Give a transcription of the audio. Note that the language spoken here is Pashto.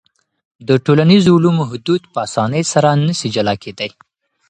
د ټولنیزو علومو حدود په اسانۍ سره نسي جلا کېدای.